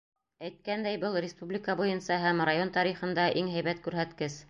Әйткәндәй, был — республика буйынса һәм район тарихында иң һәйбәт күрһәткес.